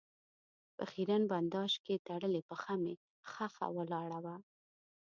په خېرن بنداژ کې تړلې پښه مې ښخه ولاړه وه.